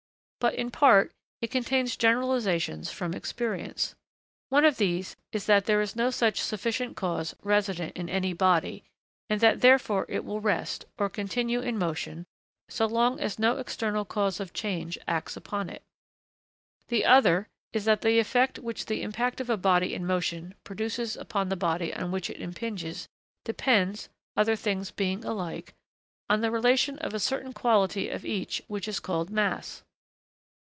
But, in part, it contains generalisations from experience. One of these is that there is no such sufficient cause resident in any body, and that therefore it will rest, or continue in motion, so long as no external cause of change acts upon it. The other is that the effect which the impact of a body in motion produces upon the body on which it impinges depends, other things being alike, on the relation of a certain quality of each which is called 'mass.'